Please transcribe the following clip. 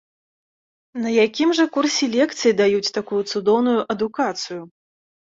На якім жа курсе лекцый даюць такую цудоўную адукацыю?